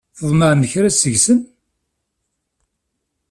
Tḍemɛem kra seg-sen?